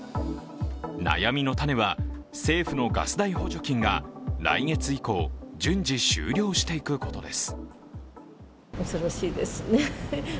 悩みの種は政府のガス代補助金が来月以降、順次終了していくことです。